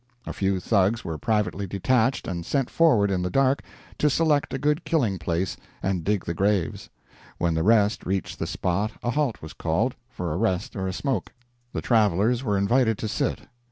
A few Thugs were privately detached and sent forward in the dark to select a good killing place and dig the graves. When the rest reached the spot a halt was called, for a rest or a smoke. The travelers were invited to sit.